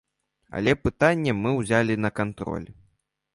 Але пытанне мы ўзялі на кантроль.